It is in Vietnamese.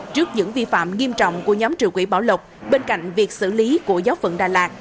trước những vi phạm nghiêm trọng của nhóm trưởng quỹ bảo lộc bên cạnh việc xử lý của giáo phận đà lạt